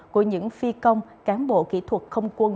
của những phi công cán bộ kỹ thuật không quân